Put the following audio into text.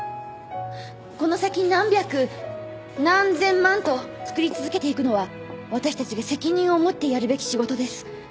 この先何百何千万と作り続けていくのは私たちが責任を持ってやるべき仕事です。